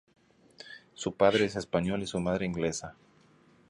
Su padre es español y su madre inglesa.